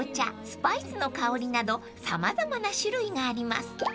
スパイスの香りなど様々な種類があります］